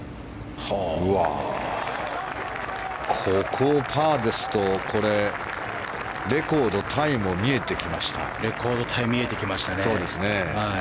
ここをパーですとレコードタイも見えてきました。